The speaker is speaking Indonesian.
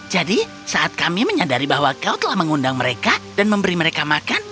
jadi saat kami menyadari bahwa kau telah mengundang mereka dan memberi mereka makan